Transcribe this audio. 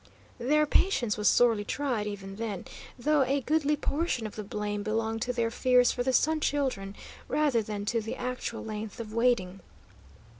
Their patience was sorely tried, even then, though a goodly portion of the blame belonged to their fears for the Sun Children, rather than to the actual length of waiting.